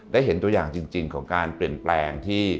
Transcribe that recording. ได้เห็นตัวอย่างจริงของการเปลี่ยนแปลงที่